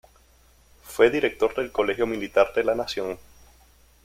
Fue Director del Colegio Militar de la Nación.